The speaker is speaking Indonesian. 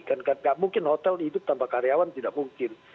karena nggak mungkin hotel hidup tanpa karyawan tidak mungkin